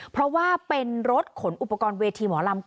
เพราะว่าเป็นรถขนอุปกรณ์เวทีหมอลำ